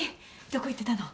どこ行ってたの？